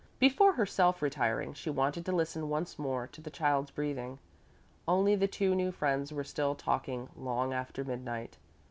Before herself retiring she wanted to listen once more to the child's breathing. Only the two new friends were still talking long after midnight.